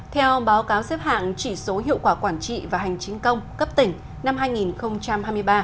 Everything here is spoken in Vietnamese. theo báo cáo xếp hạng chỉ số hiệu quả quản trị và hành chính công cấp tỉnh năm hai nghìn hai mươi ba